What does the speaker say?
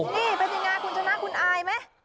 นี่เป็นยังไงคุณชนะคุณอายไหม